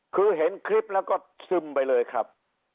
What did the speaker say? คือเห็นคลิปแล้วก็ซึมไปเลยครับ